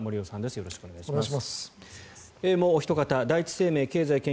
よろしくお願いします。